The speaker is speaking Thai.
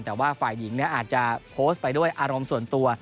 แต่ว่าฝ่ายหญิงอาจจะโพสต์ไปด้วยอารมณ์ส่วนตัว